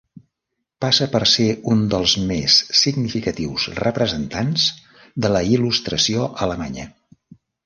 Passa per ser un dels més significatius representants de la Il·lustració alemanya.